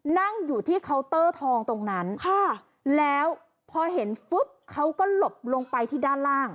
นั่งอยู่ที่เคาน์เตอร์ทองตรงนั้นค่ะแล้วพอเห็นปุ๊บเขาก็หลบลงไปที่ด้านล่าง